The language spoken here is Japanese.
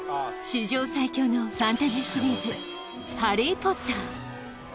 史上最強のファンタジーシリーズ「ハリー・ポッター」